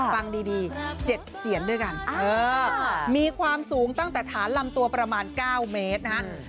ฟังดี๗เสียนด้วยกัน